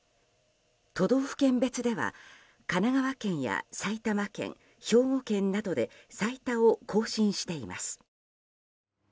都道府県別では神奈川県や埼玉県兵庫県などで最多を更新しています。